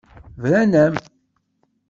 Bran-am.